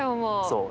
そう。